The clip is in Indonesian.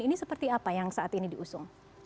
ini seperti apa yang saat ini diusung